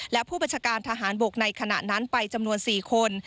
และผู้บัญชาการทหารบกในขณะนั้นไปจำนวน๔คน